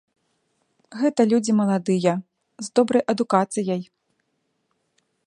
Гэта людзі маладыя, з добрай адукацыяй.